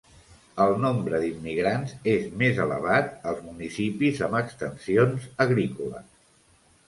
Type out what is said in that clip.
El nombre d'immigrants és més elevat als municipis amb extensions agrícoles.